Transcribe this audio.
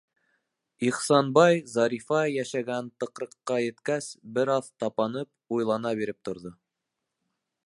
Ихсанбай, Зарифа йәшәгән тыҡрыҡҡа еткәс, бер аҙ тапанып, уйлана биреп торҙо.